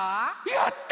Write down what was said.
やった！